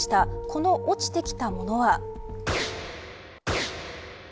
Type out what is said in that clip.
この落ちてきたものは。